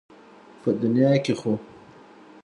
په دنيا کې خو